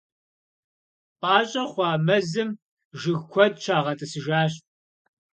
Пӏащӏэ хъуа мэзым жыг куэд щагъэтӏысыжащ.